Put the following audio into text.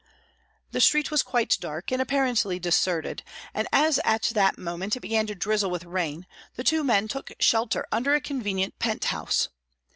The street was quite dark, and apparently deserted, and as at that moment it began to drizzle with rain, the two men took shelter under a convenient pent house.